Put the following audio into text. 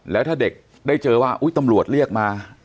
แล้วถ้าเด็กได้เจอว่าตำรวจเรียกมา